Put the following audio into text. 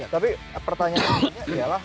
tapi pertanyaannya ialah